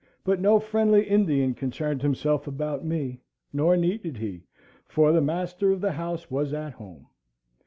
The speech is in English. But no friendly Indian concerned himself about me; nor needed he, for the master of the house was at home.